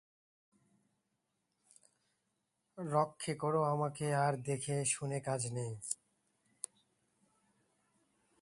রক্ষে করো, আমাকে আর দেখে শুনে কাজ নেই।